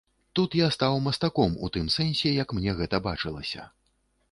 Тут я стаў мастаком у тым сэнсе, як мне гэта бачылася.